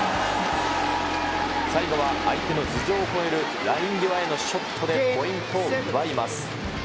最後は相手の頭上を越えるライン際へのショットでポイントを奪います。